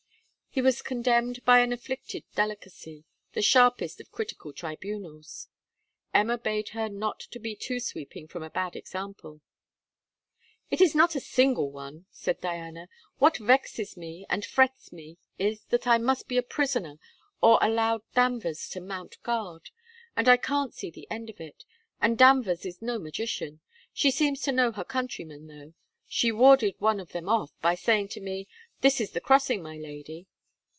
He was condemned by an afflicted delicacy, the sharpest of critical tribunals. Emma bade her not to be too sweeping from a bad example. 'It is not a single one,' said Diana. 'What vexes me and frets me is, that I must be a prisoner, or allow Danvers to mount guard. And I can't see the end of it. And Danvers is no magician. She seems to know her countrymen, though. She warded one of them off, by saying to me: "This is the crossing, my lady."